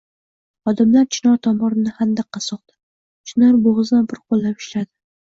Xodimlar chinor tomirini xandaqqa soldi. Chinor bo‘g‘zidan bir qo‘llab ushladi.